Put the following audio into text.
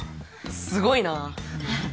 すごいな。